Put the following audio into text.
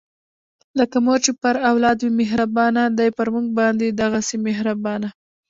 لکه مور چې پر اولاد وي مهربانه، دی پر مونږ باندې دغهسې مهربانه